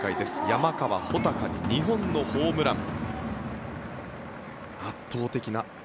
山川穂高に２本のホームラン。